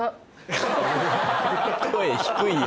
声低いよ。